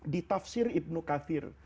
di tafsir ibnu kathir